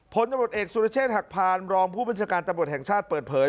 ผลตำรวจเอกสุรเชษฐหักพานรองผู้บัญชาการตำรวจแห่งชาติเปิดเผย